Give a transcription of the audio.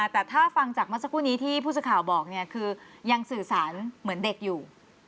แต่ถ้าฟังจากเมื่อสักครู่นี้ที่ผู้สื่อข่าวบอกเนี่ยคือยังสื่อสารเหมือนเด็กอยู่